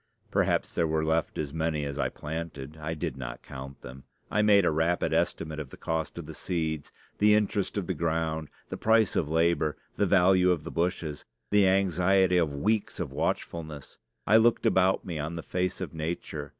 Perhaps there were left as many as I planted; I did not count them. I made a rapid estimate of the cost of the seed, the interest of the ground, the price of labor, the value of the bushes, the anxiety of weeks of watchfulness. I looked about me on the face of nature.